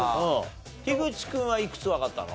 口君はいくつわかったの？